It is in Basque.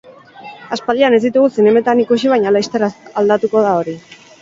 Aspaldian ez ditugu zinemetan ikusi baina laster aldatuko da hori.